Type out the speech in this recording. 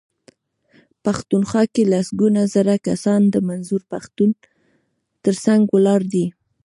پښتونخوا کې لسګونه زره کسان د منظور پښتون ترڅنګ ولاړ دي.